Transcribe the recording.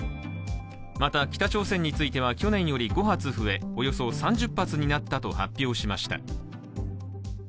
また、北朝鮮については去年より５発増えおよそ３０発になったと発表しました。